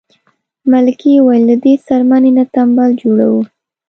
ملکې وویل له دې څرمنې نه تمبل جوړوو.